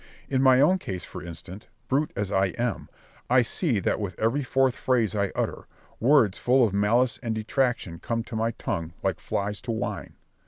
In my own case, for instance, brute as I am, I see that with every fourth phrase I utter, words full of malice and detraction come to my tongue like flies to wine.